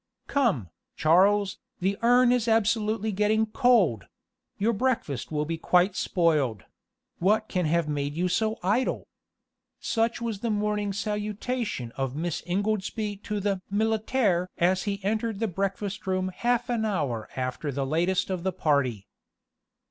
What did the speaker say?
"Come, Charles, the urn is absolutely getting cold; your breakfast will be quite spoiled: what can have made you so idle?" Such was the morning salutation of Miss Ingoldsby to the militaire as he entered the breakfast room half an hour after the latest of the party.